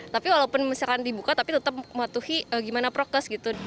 tapi walaupun misalkan dibuka tapi tetap mematuhi gimana prokes gitu